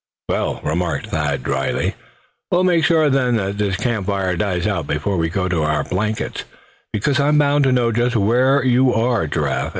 "Well," remarked Thad, drily; "we'll make sure then, that this camp fire dies out before we go to our blankets; because I'm bound to know just where you are, Giraffe.